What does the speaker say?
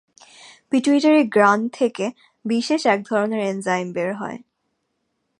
Pituitary gland থেকে বিশেষ এক ধরনের এনজাইম বের হয়।